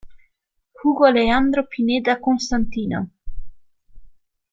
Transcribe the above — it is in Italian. Hugo Alejandro Pineda Constantino